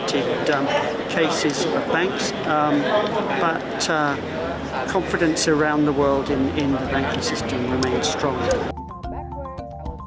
tapi kepercayaan di seluruh dunia dalam sistem bank masih kuat